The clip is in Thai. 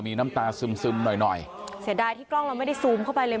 มีน้ำตาซึมซึมหน่อยหน่อยเสียดายที่กล้องเราไม่ได้ซูมเข้าไปเลย